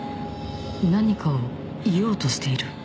何かを言おうとしている